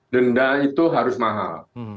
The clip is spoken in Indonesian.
denda itu harus mahal